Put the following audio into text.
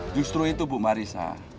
justru itu bu marissa